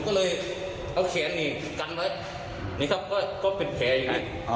ผมก็เลยเอาแขนนี่กันแล้วนี่ครับก็ก็เป็นแผลอย่างงี้อ๋อ